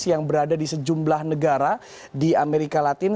yang berada di sejumlah negara di amerika latin